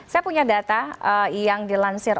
saya punya data yang dilansir